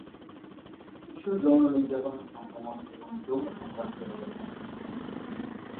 শিশু যৌন নির্যাতন সংক্রমণ এবং যৌন সংক্রামিত রোগের কারণ হতে পারে।